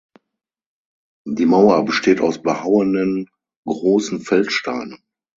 Die Mauer besteht aus behauenen großen Feldsteinen.